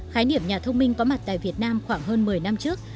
khái niệm nhà thông minh có mặt tại việt nam khoảng hơn một mươi năm trước